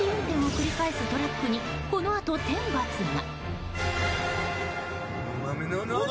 繰り返すトラックにこのあと天罰が。